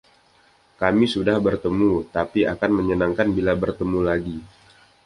Kami sudah bertemu, tapi akan menyenangkan bila bertemu lagi.